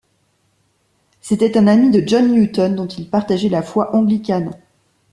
C'était un ami de John Newton dont il partageait la foi anglicane.